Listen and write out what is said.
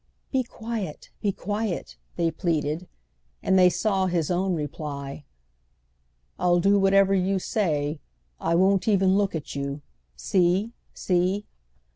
"Be quiet, be quiet!" they pleaded; and they saw his own reply: "I'll do whatever you say; I won't even look at you—see, see!"